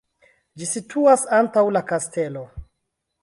Ĝi situas antaŭ la kastelo.